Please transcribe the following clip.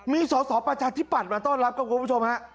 มีสอสอประชาธิปัตย์มาต้อนรับครับคุณผู้ชมฮะ